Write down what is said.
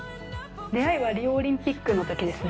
出会いはリオオリンピックの時ですね。